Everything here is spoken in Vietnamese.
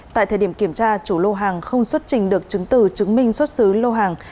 tại thời điểm kiểm tra chủ lô hàng không xuất trình được chứng từ chứng minh xuất xứ lô hàng